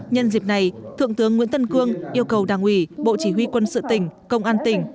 nhân dịp này thượng tướng nguyễn tân cương yêu cầu đảng ủy bộ chỉ huy quân sự tỉnh công an tỉnh